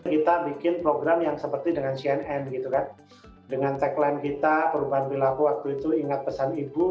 kita bikin program yang seperti dengan cnn gitu kan dengan tagline kita perubahan perilaku waktu itu ingat pesan ibu